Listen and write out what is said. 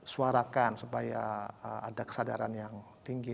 suarakan supaya ada kesadaran yang tinggi